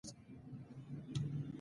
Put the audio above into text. کاري حافظه ستونزې حل کولو کې مرسته کوي.